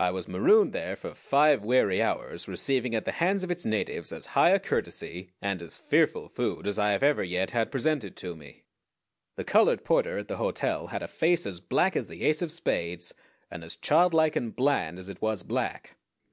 I was marooned there for five weary hours, receiving at the hands of its natives as high a courtesy and as fearful food as I have ever yet had presented to me. The colored porter at the hotel had a face as black as the ace of spades, and as childlike and bland as it was black.